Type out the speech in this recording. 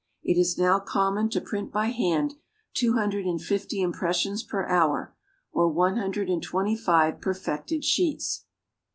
It is now common to print by hand two hundred and fifty impressions per hour, or one hundred and twenty five perfected sheets.